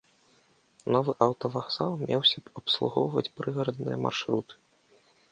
Новы аўтавакзал меўся б абслугоўваць прыгарадныя маршруты.